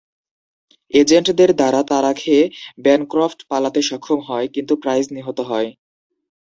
এজেন্টদের দ্বারা তাড়া খেয়ে, ব্যানক্রফট পালাতে সক্ষম হয়, কিন্তু প্রাইস নিহত হয়।